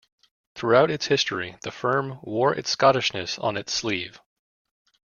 Through its history, the firm wore its Scottishness on its sleeve.